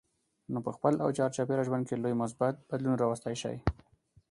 نو په خپل او چار چاپېره ژوند کې لوی مثبت بدلون راوستی شئ.